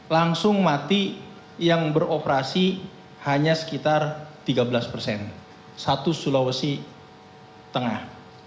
langsung mati yang beroperasi hanya sekitar tiga belas persen satu sulawesi tengah